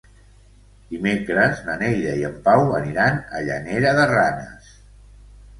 Dimecres na Neida i en Pau aniran a Llanera de Ranes.